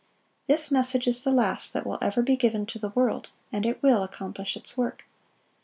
This message is the last that will ever be given to the world; and it will accomplish its work.